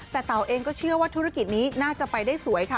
แต่เต๋าเองก็เชื่อว่าธุรกิจนี้น่าจะไปได้สวยค่ะ